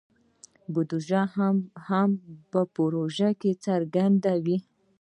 بودیجه هم په پروژه کې څرګنده وي.